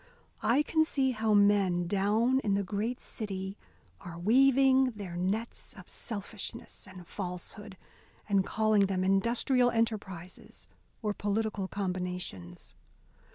I can see how men down in the great city are weaving their nets of selfishness and falsehood, and calling them industrial enterprises or political combinations.